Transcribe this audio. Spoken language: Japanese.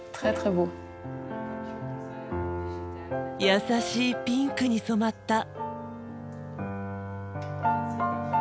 やさしいピンクに染まった。